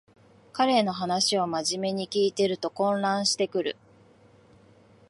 彼の話をまじめに聞いてると混乱してくる